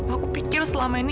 aku pikir selama ini